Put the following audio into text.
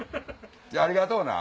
ありがとうな。